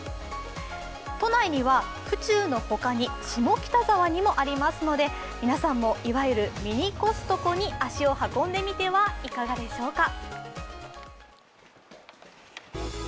都内には、府中の他に下北沢にもありますので皆さんもいわゆるミニコストコに足を運んでみてはいかがでしょうか。